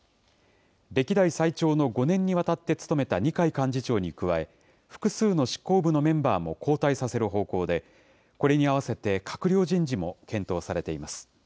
歴代最長の５年にわたって務めた二階幹事長に加え、複数の執行部のメンバーも交代させる方向で、これに合わせて閣僚人事も検討されています。